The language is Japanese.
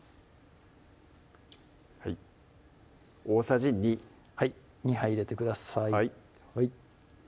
はい大さじ２はい２杯入れてください